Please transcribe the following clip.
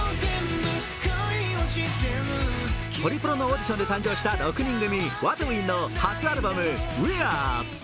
ホリプロのオーディションで誕生した６人組、ＷＡＴＷＩＮＧの初アルバム「Ｗｈｅｒｅ」。